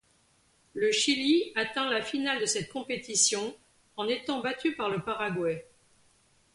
Le Chili atteint la finale de cette compétition, en étant battu par le Paraguay.